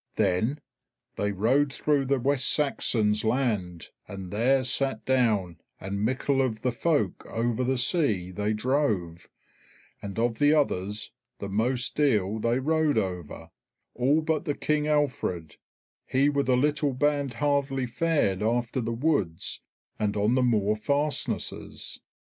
Then "they rode through the West Saxons' land, and there sat down, and mickle of the folk over the sea they drove, and of the others the most deal they rode over; all but the King Alfred; he with a little band hardly fared [went] after the woods and on the moor fastnesses."